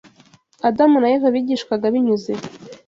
Adamu na Eva bigishwaga binyuze